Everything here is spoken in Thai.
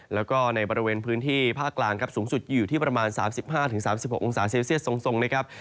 แล้วก็ในบริเวณพื้นที่ภาคกลางครับสูงสุดอยู่ที่ประมาณ๓๕๓๖องศาเซลเซียสทรงนะครับ